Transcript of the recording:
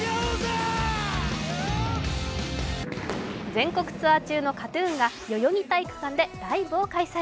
全国ツアー中のＫＡＴ−ＴＵＮが代々木体育館でライブを開催。